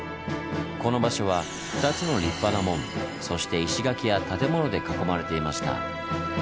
この場所は２つの立派な門そして石垣や建物で囲まれていました。